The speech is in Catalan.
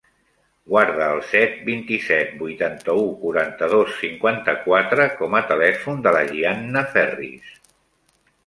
Guarda el set, vint-i-set, vuitanta-u, quaranta-dos, cinquanta-quatre com a telèfon de la Gianna Ferris.